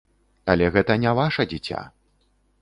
Але гэта не ваша дзіця.